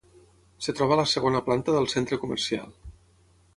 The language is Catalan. És troba a la segona planta del centre comercial.